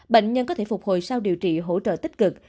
bệnh nhân có thể phục hồi sau điều trị hỗ trợ tích cực